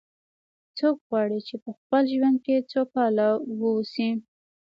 څوک غواړي چې په خپل ژوند کې سوکاله و اوسي